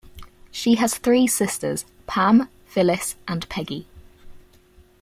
She has three sisters: Pam, Phyllis, and Peggy.